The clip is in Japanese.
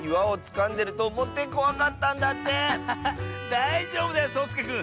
だいじょうぶだよそうすけくん。